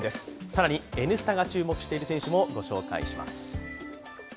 更に、「Ｎスタ」が注目している選手もご紹介します。